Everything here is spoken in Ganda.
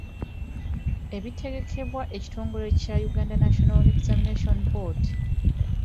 Ebitegekebwa ekitongole kya Uganda National Examination Board.